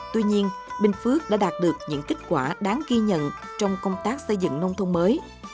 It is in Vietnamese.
tuy nhiên bình phước đã đạt được những kết quả đáng ghi nhận trong công tác xây dựng nông thôn mới